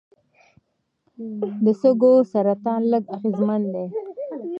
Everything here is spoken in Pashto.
د سږو سرطان لږ اغېزمن دی.